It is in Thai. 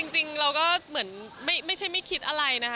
จริงเราก็เหมือนไม่ใช่ไม่คิดอะไรนะคะ